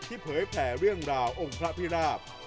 เผยแผ่เรื่องราวองค์พระพิราบ